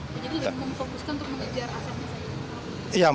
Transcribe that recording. jadi memfokuskan untuk mengejar asal asal